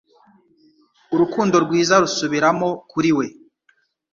Urukundo rwiza rusubiramo kuri we